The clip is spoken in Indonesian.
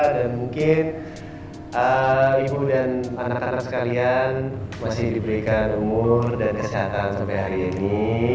dan mungkin ibu dan anak anak sekalian masih diberikan umur dan kesehatan sampai hari ini